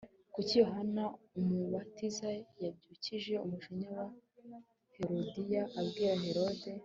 Kuki Yohana Umubatiza yabyukije umujinya wa Herodiya abwira Herode